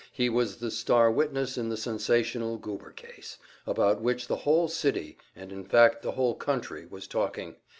He was the "star" witness in the sensational Goober case, about which the whole city, and in fact the whole country was talking.